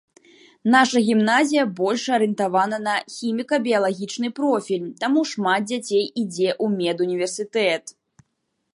Наша гімназія больш арыентавана на хіміка-біялагічны профіль, таму шмат дзяцей ідзе у медуніверсітэт.